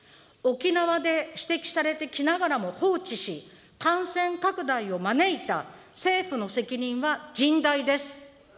沖縄で指摘されてきながらも放置し、感染拡大を招いた政府の責任は甚大です。